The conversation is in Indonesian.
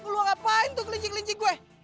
gue ngapain tuh kelinci kelinci gue